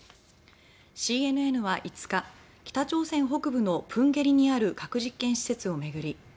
ＣＮＮは５日北朝鮮北部のプンゲリにある核実験施設を巡り